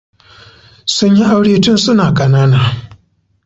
Sun yi aure tun suna ƙanana.